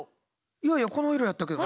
いやいやこの色やったけどな。